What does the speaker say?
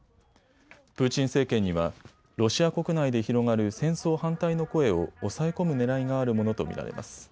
プーチン政権にはロシア国内で広がる戦争反対の声を押さえ込むねらいがあるものと見られます。